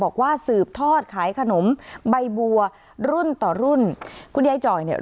บอกว่าสืบทอดขายขนมใบบัวรุ่นต่อรุ่นคุณยายจ่อยเนี่ย